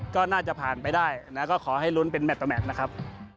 ก็น่าจะผ่านไปได้นะก็ขอให้ลุ้นเป็นแมทต่อแมทนะครับ